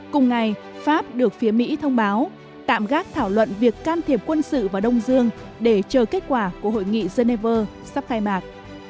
cùng ngày pháp được phía mỹ thông báo tạm gác thảo luận việc can thiệp quân sự vào đông dương để chờ kết quả của hội nghị geneva sắp khai mạc